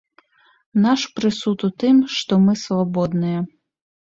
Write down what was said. Наш прысуд у тым, што мы свабодныя.